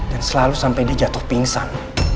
dan selalu sampai di jatuh pingsan